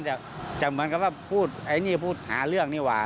จะเหมือนกับว่าพูดไอ้นี่พูดหาเรื่องนี่ว่า